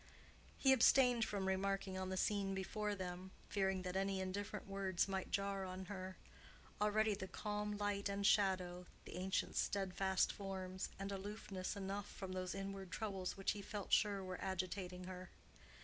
He abstained from remarking on the scene before them, fearing that any indifferent words might jar on her: already the calm light and shadow, the ancient steadfast forms, and aloofness enough from those inward troubles which he felt sure were agitating her.